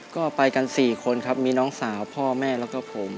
ก็ไปกัน๔คนครับมีน้องสาวพ่อแม่แล้วก็ผม